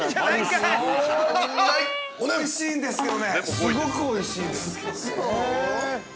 すごくおいしいんですけど。